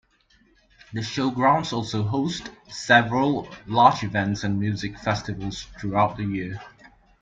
The Showgrounds also hosts several large events and music festivals throughout the year.